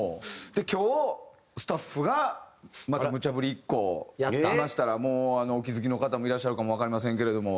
今日スタッフがまたむちゃ振り１個しましたらお気付きの方もいらっしゃるかもわかりませんけれども。